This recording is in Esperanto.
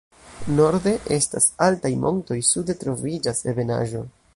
Norde estas altaj montoj, sude troviĝas ebenaĵo.